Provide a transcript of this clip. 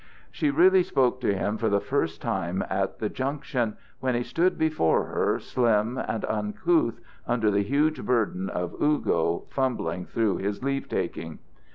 She really spoke to him for the first time at the Junction, when he stood before her, slim and uncouth under the huge burden of "Ugo," fumbling through his leave taking.